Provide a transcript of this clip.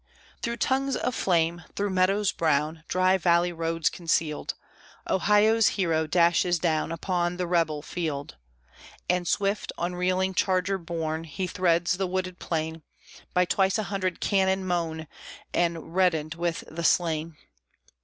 Through tongues of flame, through meadows brown, Dry valley roads concealed, Ohio's hero dashes down Upon the rebel field. And swift, on reeling charger borne, He threads the wooded plain, By twice a hundred cannon mown, And reddened with the slain.